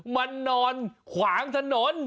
มันนอนขวางถนน